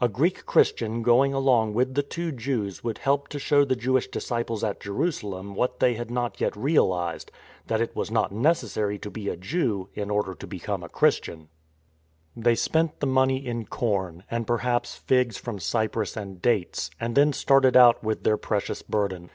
A Greek Christian going with the two Jews would help to show the Jewish disciples at Jerusalem what they had not yet realised, that it was not necessary to be a Jew in order to be a Christian. They spent the money in corn, and perhaps figs from Cyprus and dates, and then started out with their precious burden.